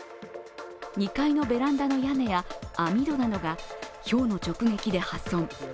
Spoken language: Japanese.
２階のベランダの屋根や網戸などがひょうの直撃で破損。